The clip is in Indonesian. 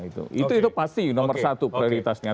itu pasti nomor satu prioritasnya